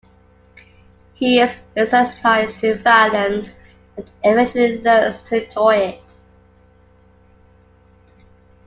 He is desensitized to violence and eventually learns to enjoy it.